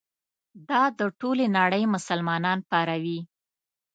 دا د ټولې نړۍ مسلمانان پاروي.